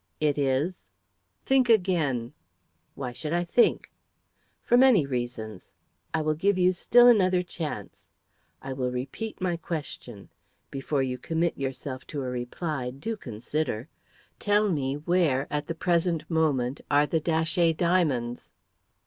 "It is." "Think again." "Why should I think?" "For many reasons. I will give still another chance; I will repeat my question. Before you commit yourself to a reply, do consider. Tell me where, at the present moment, are the Datchet diamonds?"